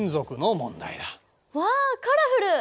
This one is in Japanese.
わあカラフル！